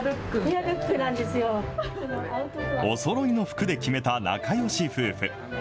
おそろいの服で決めた仲よし夫婦。